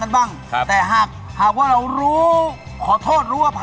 โอ้โห